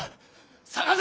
捜せ！